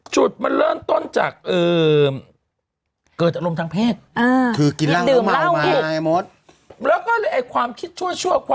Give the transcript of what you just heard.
จุดมันเริ่มต้นจาก